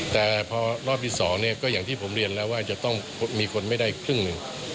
แต่พอรอบที่๒เนี่ยก็อย่างที่ผมเรียนแล้วว่าจะต้องมีคนไม่ได้ครึ่งหนึ่ง